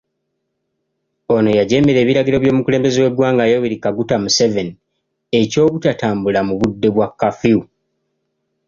Ono yajeemera ebiragiro by'omukulembeze w'eggwanga Yoweri Kaguta Museveni eky'obutatambula mu budde bwa kaafiyu.